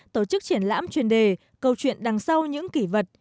tổ chức triển lãm chuyên đề câu chuyện đằng sau những kỷ vật